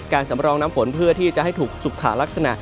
สำรองน้ำฝนเพื่อที่จะให้ถูกสุขขาลักษณะ